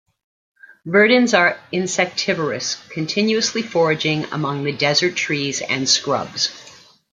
Verdins are insectivorous, continuously foraging among the desert trees and scrubs.